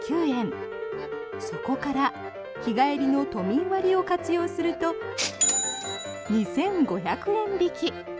そこから日帰りの都民割を活用すると２５００円引き。